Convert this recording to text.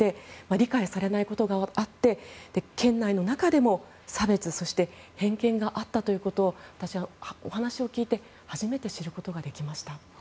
理解されないことがあって県内でも差別、偏見があったということを私、お話を聞いて初めて知ることができました。